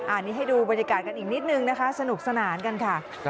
อันนี้ให้ดูบรรยากาศกันอีกนิดนึงนะคะสนุกสนานกันค่ะ